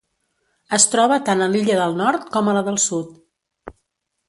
Es troba tant a l'illa del Nord com a la del Sud.